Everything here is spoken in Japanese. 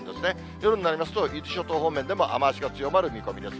夜になりますと、伊豆諸島方面でも雨足が強まる見込みです。